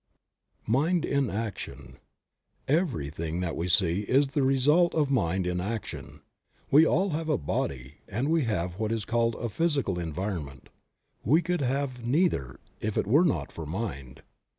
MIND IN ACTION. EVERYTHING that we see is the result of mind in action. We all have a body and we have what is called a physical environment; we could have neither if it were not for mind.